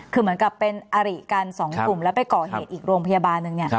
คือเหมือนกับเป็นอริกันสองกลุ่มแล้วไปก่อเหตุอีกโรงพยาบาลหนึ่ง